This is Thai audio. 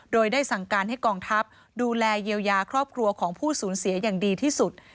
โดยได้สั่งการให้กองทัพดูแลเยียวยาครอบครัวของผู้สูญเสียอย่างดีที่สุด